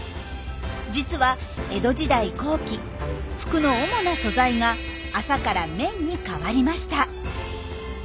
実は江戸時代後期服の主な素材が麻から綿にかわりました。